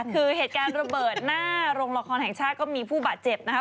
คือเหตุการณ์ระเบิดหน้าโรงละครแห่งชาติก็มีผู้บาดเจ็บนะครับ